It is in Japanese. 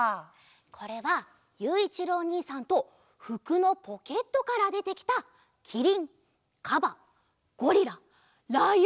これはゆういちろうおにいさんとふくのポケットからでてきたキリンカバゴリラライオンだよ！